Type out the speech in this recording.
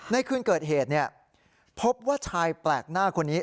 ในคืนเกิดเหตุพบว่าชายแปลกหน้าคนนี้